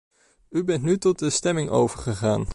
U bent nu tot de stemming overgegaan.